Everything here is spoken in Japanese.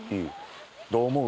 どう思う？」